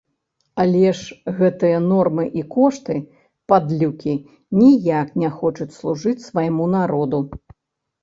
Але ж гэтыя нормы і кошты, падлюкі, ніяк не хочуць служыць свайму народу!